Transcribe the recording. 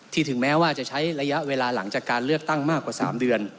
ถึงแม้ว่าจะใช้ระยะเวลาหลังจากการเลือกตั้งมากกว่า๓เดือน